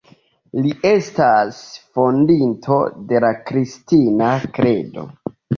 Li estas Fondinto de la Kristana Kredo.